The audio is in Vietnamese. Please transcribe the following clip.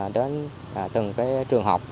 đến từng cái trường học